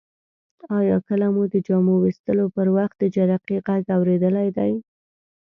آیا کله مو د جامو ویستلو پر وخت د جرقې غږ اوریدلی دی؟